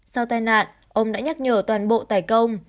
sau tai nạn ông đã nhắc nhở toàn bộ tài công